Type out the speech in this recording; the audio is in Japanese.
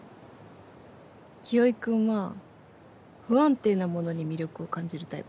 清居君は不安定なものに魅力を感じるタイプだ。